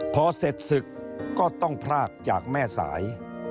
พอเสร็จศึกก็ต้องพรากจากแม่สาย